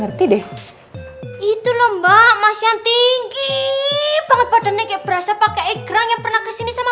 ngerti deh itu lembah mas yang tinggi banget pada negeri berasa pakai ikram yang pernah kesini sama